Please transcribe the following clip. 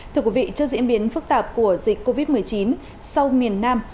thưa quý vị trước diễn biến phức tạp của dịch covid một mươi chín sau miền nam